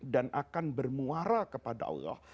dan akan bermuara kepada allah